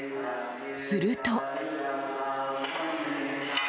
すると。